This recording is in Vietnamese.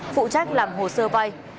phụ trách làm hồ sơ vay